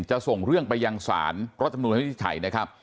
จะส่งเรื่องไปยังศาลรัฐธรรมนูลให้ใช้นะครับ